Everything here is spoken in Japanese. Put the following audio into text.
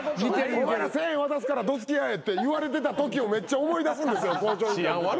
お前ら１，０００円渡すからどつき合えって言われてたときをめっちゃ思い出すんですよ。